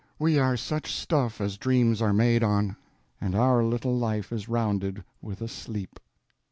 We are such stuff As dreams are made on, and our little life Is rounded with a sleep.